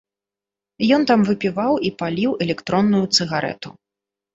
Ён там выпіваў і паліў электронную цыгарэту.